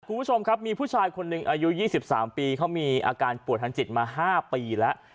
คุณผู้ชมครับมีผู้ชายคนหนึ่งอายุ๒๓ปีเขามีอาการป่วยทางจิตมา๕ปีแล้ว